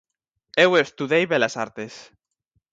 Eu estudei Belas Artes.